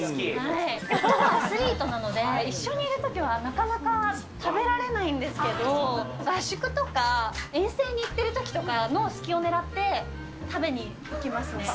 夫がアスリートなので、一緒にいるときはなかなか食べられないんですけど、合宿とか遠征に行ってるときとかの隙をねらって、食べに行きますね。